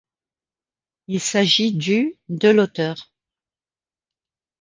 Il s'agit du de l'auteure.